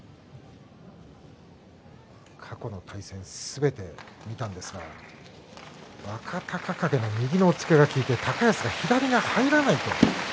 過去の対戦すべて見たんですが若隆景の右の押っつけが効いて高安が左に入らない。